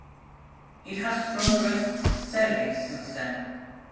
It has progressed steadily since then.